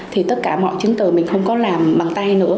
thì tất cả mọi chứng từ mình không có làm bằng tay nữa